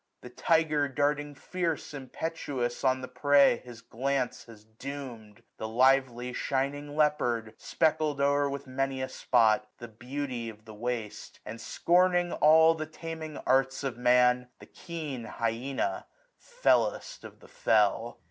The tyger darting fierce Impetuous on the prey his glance has doom'd : The lively shining leopard, speckled o'er With many a spot, the beauty of the waste ; And, scorning all the taming arts of Man, 920 The keen hyena, fellest of the fell.